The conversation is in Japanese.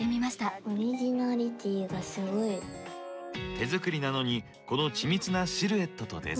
手作りなのにこの緻密なシルエットとデザイン。